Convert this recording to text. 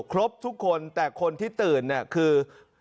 ครบทุกคนแต่คนที่ตื่นเนี่ยคือ